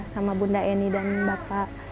sama bunda eni dan bapak